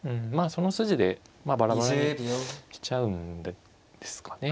その筋でバラバラにしちゃうんですかね。